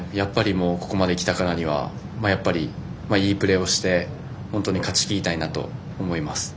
ここまで来たからにはいいプレーをして本当に勝ちきりたいなと思います。